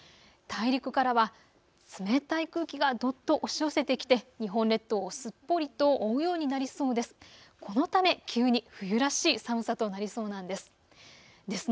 大陸からは冷たい空気がどっと押し寄せてきて日本列島をすっぽりと覆うようになりそうです。